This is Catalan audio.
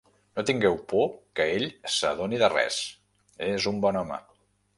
No tingueu por que ell s'adoni de res: és un bon home.